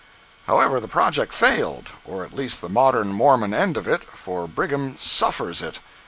However, the project failed—or at least the modern Mormon end of it—for Brigham "suffers" it.